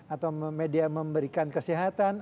atau media memberikan kesehatan